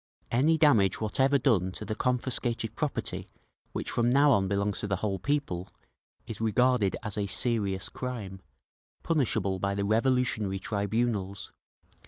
Any damage whatever done to the confiscated property which from now on belongs to the whole People, is regarded as a serious crime, punishable by the revolutionary tribunals.